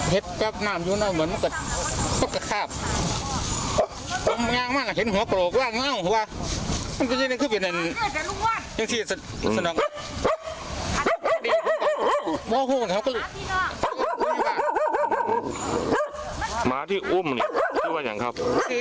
พี่โมกรูพอบม้าที่อู้มเนี่ยชื่อว่าอย่างครับ